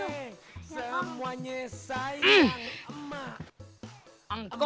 ya udah di situ